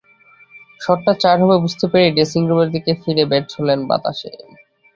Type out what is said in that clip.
শটটা চার হবে বুঝতে পেরেই ড্রেসিং রুমের দিকে ফিরে ব্যাট ছুড়লেন বাতাসে।